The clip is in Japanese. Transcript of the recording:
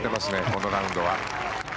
このラウンドは。